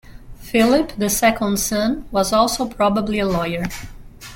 Philip, the second son, was also probably a lawyer.